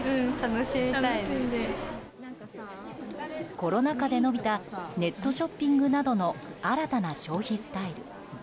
コロナ禍で伸びたネットショッピングなどの新たな消費スタイル。